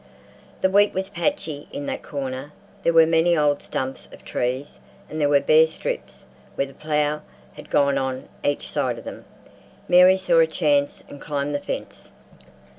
The wheat was patchy in that corner—there were many old stumps of trees, and there were bare strips where the plough had gone on each side of them. Mary saw a chance, and climbed the fence.